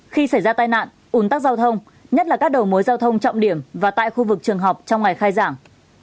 khi xảy ra tai nạn ủn tắc giao thông nhất là các đầu mối giao thông trọng điểm và tại khu vực trường học trong ngày khai giảng